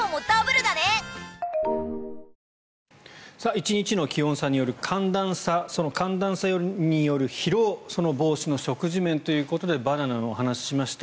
１日の気温差による寒暖差その寒暖差による疲労その防止の食事面ということでバナナのお話ししました。